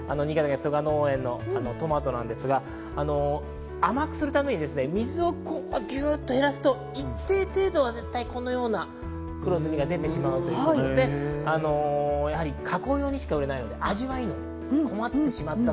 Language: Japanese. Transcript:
曽我農園のトマトなんですが、甘くするために水をぎゅっと減らすと一定程度はこのような黒ずみが出てしまうということで、加工用にしか売れないということで。